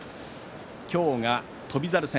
今日が翔猿戦。